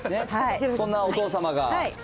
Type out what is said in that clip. そんなお父様が。